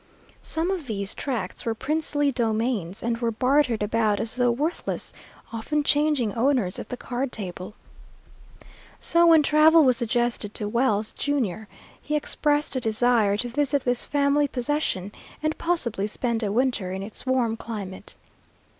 Some of these tracts were princely domains, and were bartered about as though worthless, often changing owners at the card table. So when travel was suggested to Wells, junior, he expressed a desire to visit this family possession, and possibly spend a winter in its warm climate.